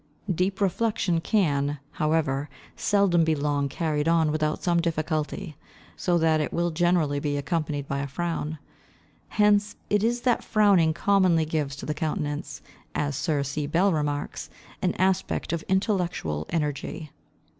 Deep reflection can, however, seldom be long carried on without some difficulty, so that it will generally be accompanied by a frown. Hence it is that frowning commonly gives to the countenance, as Sir C. Bell remarks, an aspect of intellectual energy.